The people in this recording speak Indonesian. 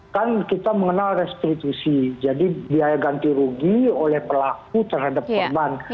kan kita mengenal restitusi jadi biaya ganti rugi oleh pelaku terhadap korban